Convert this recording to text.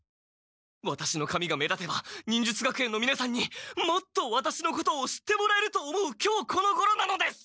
ワタシの髪が目立てば忍術学園のみなさんにもっとワタシのことを知ってもらえると思うきょうこのごろなのです！